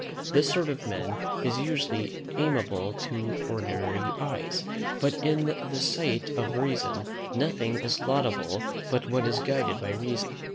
This sort of men is usually amiable to ordinary eyes; but, in the sight of reason, nothing is laudable but what is guided by reason.